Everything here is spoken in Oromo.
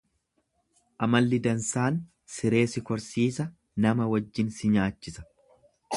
Amalli dansaan siree si korsiisa, nama wajjin si nyaachisa.